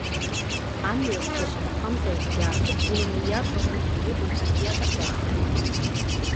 Амҩасцәа, шамахамзар, зегьы аакыдгыланы, иарбан усу иҟоу ҳәа иазҵаауан.